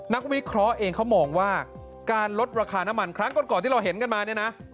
นักวิเคราะห์เองเขามองว่าการลดราคาน้ำมันครั้งก่อนที่เราเห็นกันมาเนี่ยนะ